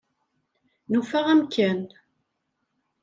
Nufa amkan.